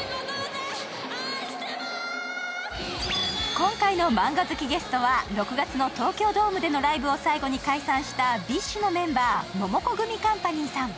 今回のマンガ好きゲストは、６月の東京ドームでのライブを最後に解散したＢｉＳＨのメンバー、モモコグミカンパニーさん。